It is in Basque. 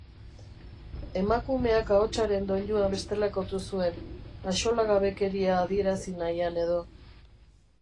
Emakumeak ahotsaren doinua bestelakotu zuen, axolagabekeria adierazi nahian edo.